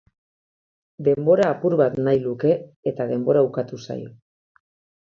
Denbora apur bat nahi luke, eta denbora ukatua zaio.